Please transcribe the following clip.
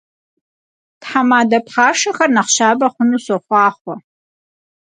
Themade pxhaşşexer nexh şabe xhunu soxhuaxhue!